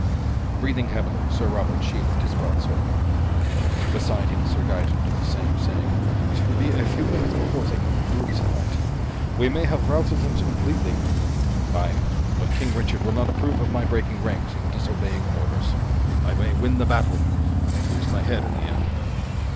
Breathing heavily, Sir Robert sheathed his broadsword. Beside him, Sir Gaeton did the same, saying: "It will be a few minutes before they can regroup, sir knight. We may have routed them completely." "Aye. But King Richard will not approve of my breaking ranks and disobeying orders. I may win the battle and lose my head in the end."